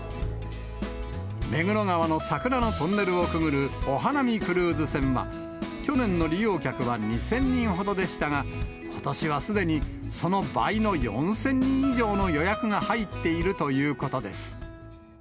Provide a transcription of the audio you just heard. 目黒川の桜のトンネルをくぐるお花見クルーズ船は、去年の利用客は２０００人ほどでしたが、ことしはすでにその倍の４０００人以上の予約が入っているということです。